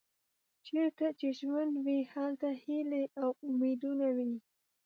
چیرته چې ژوند وي هلته هیلې او امیدونه وي.